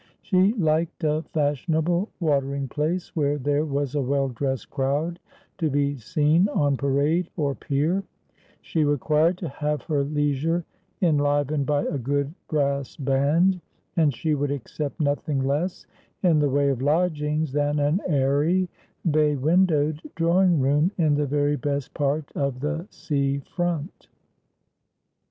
She liked a fashionable watering place, where there was a well dressed crowd to be seen on parade or pier ; she required to have her leisure enlivened by a good brass band ; and she would accept nothing less in the way of lodgings than an airy bay windowed drawing room in the very best part of the sea front.